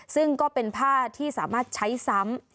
ซึ่งก็เป็นผ้าที่สามารถใช้ซ้ำ